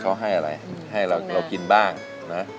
เขาให้อะไรให้เรากินบ้างนะ